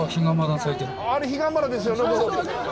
あれ彼岸花ですよね。